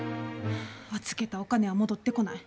預けたお金は戻ってこない。